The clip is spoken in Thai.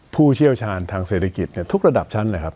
ผู้เชี่ยวชาญทางเศรษฐกิจทุกระดับชั้นเลยครับ